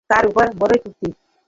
তারা তাঁর উপর বড়ই প্রীত।